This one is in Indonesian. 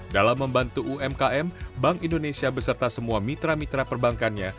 dalam membantu umkm bank indonesia beserta semua mitra mitra perbankannya